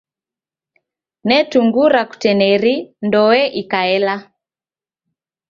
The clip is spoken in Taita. Netungura kutineri ndoe ikaela.